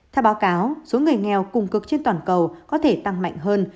theo báo cáo số người nghèo cùng cực trên toàn cầu có thể tăng mạnh hơn